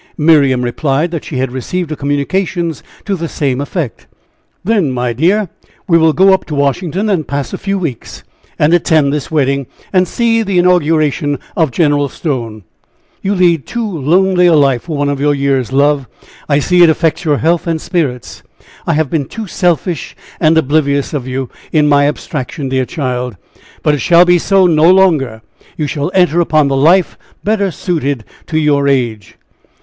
Miriam replied that she had received a communication to the same effect. "Then, my dear, we will go up to Washington and pass a few weeks, and attend this wedding, and see the inauguration of Gen. . You lead too lonely a life for one of your years, love. I see it affects your health and spirits. I have been too selfish and oblivious of you, in my abstraction, dear child; but it shall be so no longer. You shall enter upon the life better suited to your age."